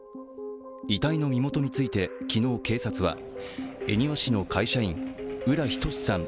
遺体の身元について昨日警察は恵庭市の会社員浦仁志さん